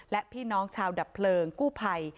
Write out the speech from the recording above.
และพี่น้องชาวดับเพลิงกู้ภัย